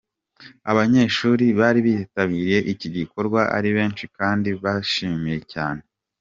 Abanyeshuri bari bitabiriye iki gikorwa ari benshi kandi babyishimiye cyane.